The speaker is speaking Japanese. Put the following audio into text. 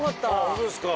ホントですか。